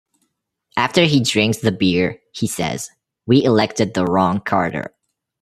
After he drinks the beer, he says "We elected the wrong Carter".